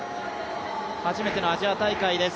初めてのアジア大会です